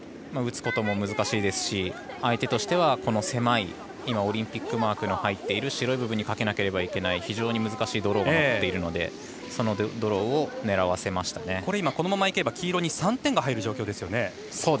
打つことも難しいですし相手としては狭いオリンピックマークの入る白い部分にかけなければいけない非常に難しいドローが残っているのでこのままいけば黄色に３点が入る状況ですね。